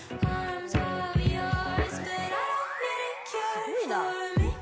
すごいな。